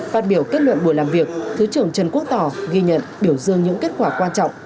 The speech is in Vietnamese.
phát biểu kết luận buổi làm việc thứ trưởng trần quốc tỏ ghi nhận biểu dương những kết quả quan trọng